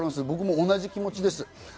僕も同じ気持ちです。